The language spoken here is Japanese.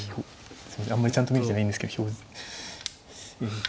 あんまりちゃんと見れてないんですけど。